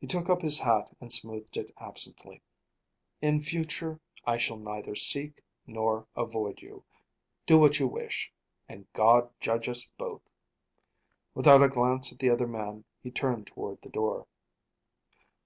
He took up his hat and smoothed it absently. "In future I shall neither seek, nor avoid you. Do what you wish and God judge us both." Without a glance at the other man, he turned toward the door.